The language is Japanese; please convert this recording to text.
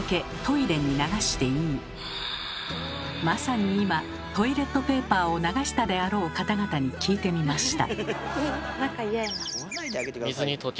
まさに今トイレットペーパーを流したであろう方々に聞いてみました。